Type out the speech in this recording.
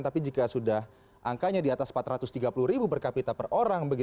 tapi jika sudah angkanya di atas empat ratus tiga puluh ribu per kapita per orang